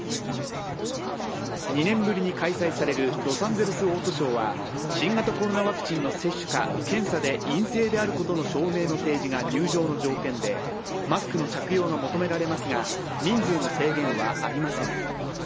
２年ぶりに開催されるロサンゼルスオートショーは新型コロナワクチンの接種か検査で陰性であることの証明の提示が入場の条件でマスクの着用が求められますが人数の制限はありません。